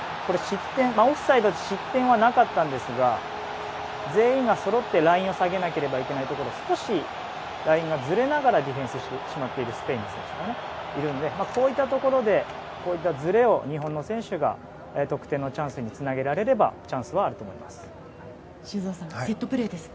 オフサイドで失点はなかったんですが全員がそろってラインを下げなければいけないところを少しラインがずれながらディフェンスしてしまっているスペインの選手がいるのでこういったところでこういうずれを日本選手が得点のチャンスにつなげられればチャンスはあると思います。